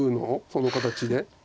その形で？